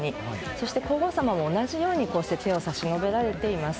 そして、皇后さまも同じように手を差し伸べられています。